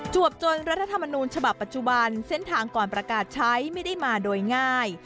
วบจนรัฐธรรมนูญฉบับปัจจุบันเส้นทางก่อนประกาศใช้ไม่ได้มาโดยง่าย